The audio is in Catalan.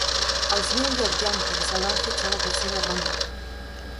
Els New York Yankees el van fitxar a la tercera ronda.